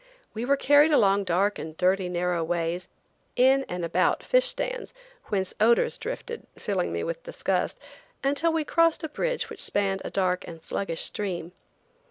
We were carried along dark and dirty narrow ways, in and about fish stands, whence odors drifted, filling me with disgust, until we crossed a bridge which spanned a dark and sluggish stream.